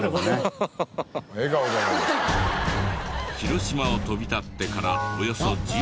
広島を飛び立ってからおよそ１５分。